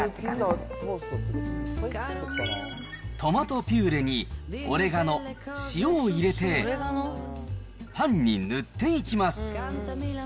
トマトピューレにオレガノ、塩を入れて、パンに塗っていきます。